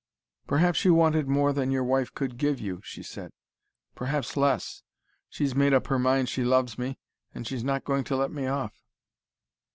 "Perhaps you wanted more than your wife could give you," she said. "Perhaps less. She's made up her mind she loves me, and she's not going to let me off."